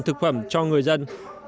thực phẩm cho người dân